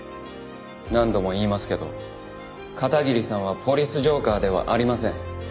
何度も言いますけど片桐さんは「ポリス浄化ぁ」ではありません。